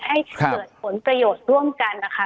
ให้เกิดผลประโยชน์ร่วมกันนะคะ